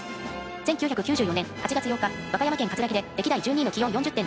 １９９４年８月８日和歌山県かつらぎで歴代１２位の気温４０．６度。